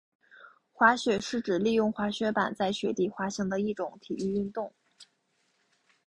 滑雪是指利用滑雪板在雪地滑行的一种体育运动。